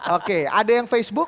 oke ada yang facebook